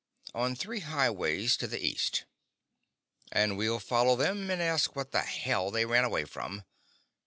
On three highways, to the east. And we'll follow them and ask what the hell they ran away from.